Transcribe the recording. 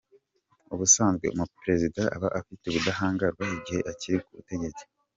Ubusanzwe umuperezida aba afite ubudahangarwa igihe akiri ku butegetsi.